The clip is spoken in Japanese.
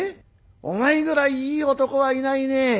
お前ぐらいいい男はいないね。